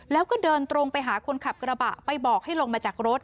แล้วก็เดินตรงไปหาคนขับกระบะไปบอกให้ลงมาจากรถ